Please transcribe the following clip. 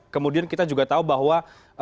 kemudian kita juga tahu bahwa